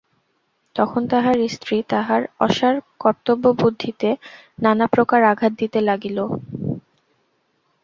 তখন তাঁহার স্ত্রী তাঁহার অসাড় কর্তব্যবুদ্ধিতে নানাপ্রকার আঘাত দিতে লাগিল।